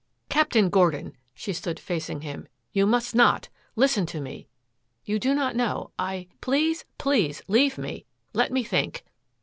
"Captain Gordon!" she stood facing him. "You must not. Listen to me. You do not know I please, please leave me. Let me think."